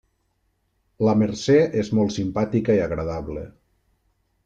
La Mercè és molt simpàtica i agradable.